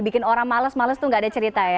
bikin orang males males itu nggak ada cerita ya